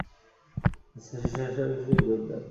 তিনি স্বেচ্ছাসেবক হিসেবে যোগ দেন।